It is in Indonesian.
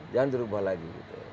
jangan terubah lagi